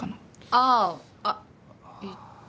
あぁあっえっと。